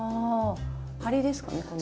ハリですかねこの。